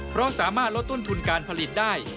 เพราะสามารถลดต้นทุนการผลิตได้